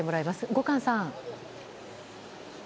五閑さん。